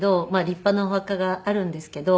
立派なお墓があるんですけど。